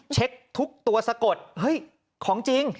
เช็คทุกตัวสะกดเฮ้ยของจริง